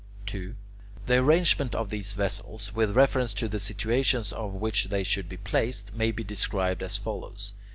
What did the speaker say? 2. The arrangement of these vessels, with reference to the situations in which they should be placed, may be described as follows.